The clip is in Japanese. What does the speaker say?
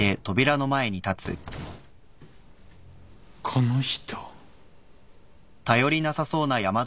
この人。